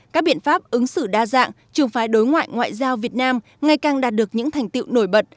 các biện pháp ứng xử đa dạng trường phái đối ngoại ngoại giao việt nam ngày càng đạt được những thành tiệu nổi bật